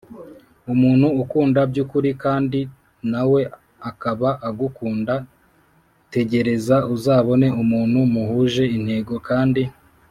umuntu ukunda byukuri kandi na we akaba agukunda Tegereza uzabone umuntu muhuje intego kandi